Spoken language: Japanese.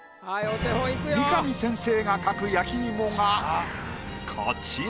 三上先生が描く焼き芋がこちら。